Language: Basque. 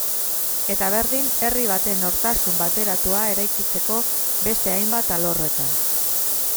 Eta berdin herri baten nortasun bateratua eraikitzeko beste hainbat alorretan.